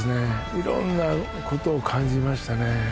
いろんなことを感じましたね。